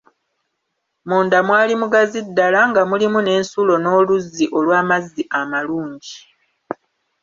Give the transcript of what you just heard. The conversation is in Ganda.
Munda mwali mugazi ddala, nga mulimu n'ensulo n'oluzzi olw'amazzi amalungi.